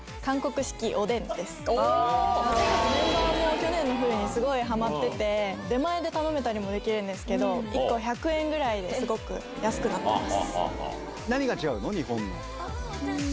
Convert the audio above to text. メンバーも去年の冬にすごいハマってて出前で頼めたりもできるんですけど１個１００円ぐらいですごく安くなってます。